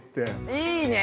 いいね！